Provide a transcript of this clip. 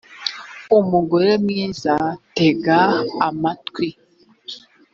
umugore mwiza tega amatwi